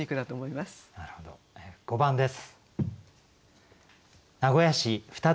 ５番です。